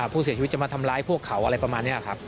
ผู้เสียชีวิตจะมาทำร้ายพวกเขาอะไรประมาณนี้ครับ